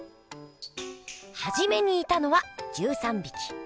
はじめにいたのは１３びき。